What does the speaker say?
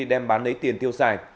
đem bán lấy tiền tiêu xài